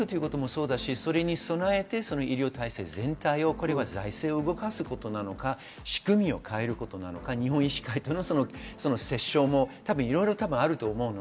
それに備えて医療体制全体を、財政を動かすことなのか、仕組みを変えることなのか、日本医師会との折衝もいろいろあると思います。